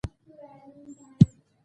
په وړیا توګه یې په لاس ورغلی وو.